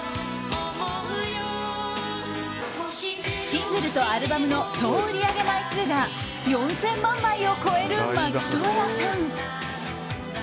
シングルとアルバムの総売り上げ枚数が４０００万枚を超える松任谷さん。